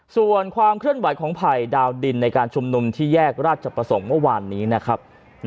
ส่วนความเคลื่อนไหวของภัยดาวดินในการชุมนุมที่แยกราชประสงค์เมื่อวานนี้นะครับ